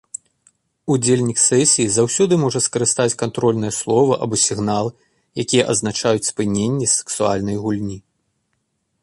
Удзельнік сесіі заўсёды можа скарыстаць кантрольнае слова або сігнал, якія азначаюць спыненне сексуальнай гульні.